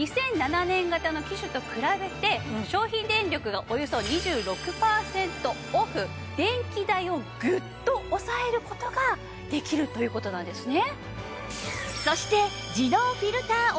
２００７年型の機種と比べて消費電力がおよそ２６パーセントオフ電気代をグッと抑える事ができるという事なんですね。